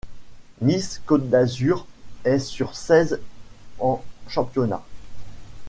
Nice-Côte d'Azur est sur seize en championnat.